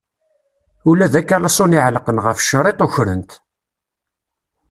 Ula d akalṣun iɛellqen ɣef ccriṭ, ukren-t!